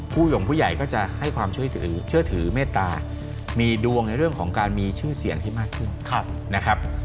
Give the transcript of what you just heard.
หย่งผู้ใหญ่ก็จะให้ความเชื่อถือเชื่อถือเมตตามีดวงในเรื่องของการมีชื่อเสียงที่มากขึ้นนะครับ